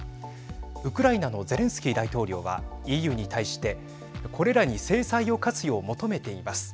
ウクライナのゼレンスキー大統領はＥＵに対して、これらに制裁を科すよう求めています。